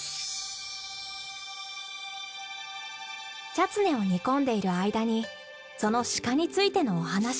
チャツネを煮込んでいる間にそのシカについてのお話。